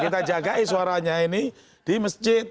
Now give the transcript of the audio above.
kita jagai suaranya ini di masjid